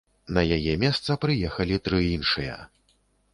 На яе месца прыехалі тры іншыя.